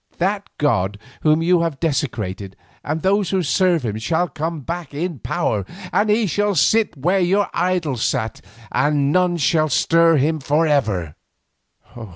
That God whom you have desecrated, and those who serve Him shall come back in power, and He shall sit where your idols sat and none shall stir Him for ever."